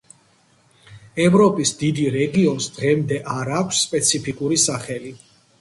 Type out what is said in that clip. ევროპის დიდი რეგიონს დღემდე არ აქვს სპეციფიკური სახელი.